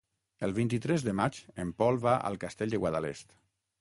El vint-i-tres de maig en Pol va al Castell de Guadalest.